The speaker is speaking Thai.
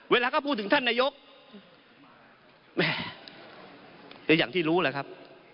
เวลาเขาพูดถึงท่านนายกแหมก็อย่างที่รู้แหละครับ